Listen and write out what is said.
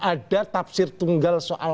ada tafsir tunggal soal